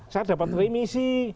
saya dapat remisi